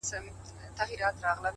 د زمان هري شېبې ته انتها سته -